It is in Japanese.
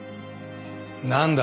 何だ。